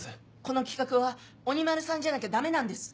この企画は鬼丸さんじゃなきゃダメなんです。